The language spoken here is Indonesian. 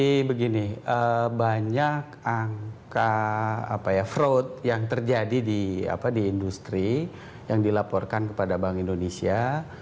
jadi begini banyak angka fraud yang terjadi di industri yang dilaporkan kepada bank indonesia